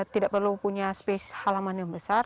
tidak perlu punya space halaman yang besar